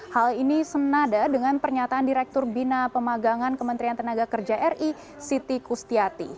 hal ini senada dengan pernyataan direktur bina pemagangan kementerian tenaga kerja ri siti kustiati